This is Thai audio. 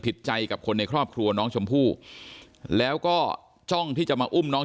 ผิดใจกับคนในครอบครัวน้องชมพู่แล้วก็จ้องที่จะมาอุ้มน้อง